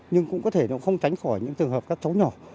nhưng cũng có thể nó không tránh khỏi những trường hợp các cháu nhỏ